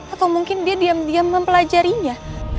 atau mungkin dia diam diam mempelajarinya